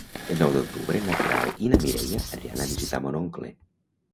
El nou d'octubre na Queralt i na Mireia aniran a visitar mon oncle.